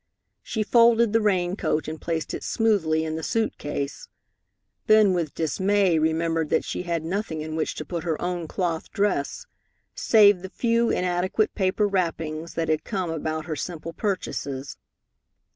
She folded the rain coat, and placed it smoothly in the suit case, then with dismay remembered that she had nothing in which to put her own cloth dress, save the few inadequate paper wrappings that had come about her simple purchases.